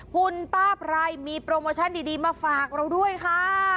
คุณป้าไพรมีโปรโมชั่นดีมาฝากเราด้วยค่ะ